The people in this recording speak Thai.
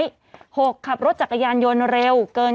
ผู้ต้องหาที่ขับขี่รถจากอายานยนต์บิ๊กไบท์